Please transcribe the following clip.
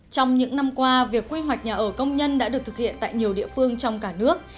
trong những năm qua việc quy hoạch nhà ở công nhân đã được thực hiện tại nhiều địa phương trong cả nước